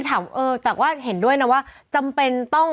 ถามเออแต่ว่าเห็นด้วยนะว่าจำเป็นต้อง